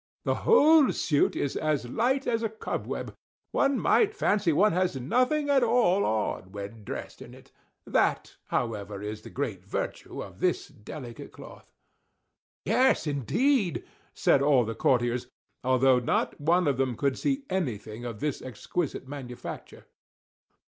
The whole suit is as light as a cobweb; one might fancy one has nothing at all on, when dressed in it; that, however, is the great virtue of this delicate cloth." "Yes indeed!" said all the courtiers, although not one of them could see anything of this exquisite manufacture.